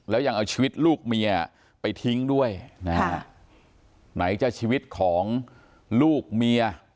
แล้วยังเอาชีวิตลูกเมียไปทิ้งด้วยนะฮะไหนจะชีวิตของลูกเมีย